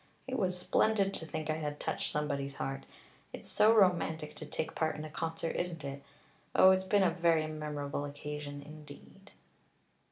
It was splendid to think I had touched somebody's heart. It's so romantic to take part in a concert, isn't it? Oh, it's been a very memorable occasion indeed."